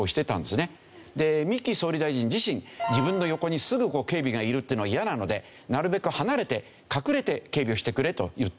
三木総理大臣自身自分の横にすぐ警備がいるっていうのはイヤなのでなるべく離れて隠れて警備をしてくれといって。